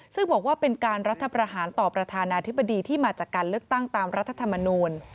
ซึ่งบอกว่าเป็นการรัฐประหารต่อประธานาธิบดีที่มาจากการเลือกตั้งตามรัฐธรรมนูล